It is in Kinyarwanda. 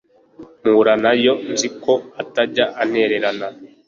mpura nay o, nzi ko utajya untererana